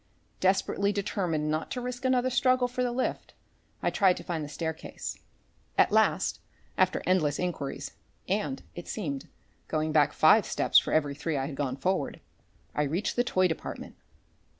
Desperately determined not to risk another struggle for the lift, I tried to find the staircase. At last, after endless enquiries and it seemed going back five steps for every three I had gone forward, I reached the toy department.